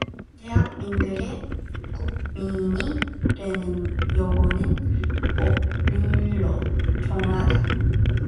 대한민국의 국민이 되는 요건은 법률로 정한다.